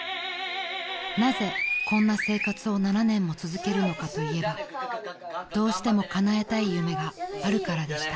［なぜこんな生活を７年も続けるのかといえばどうしてもかなえたい夢があるからでした］